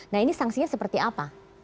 nah ini sanksinya seperti apa